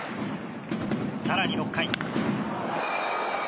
更に６回。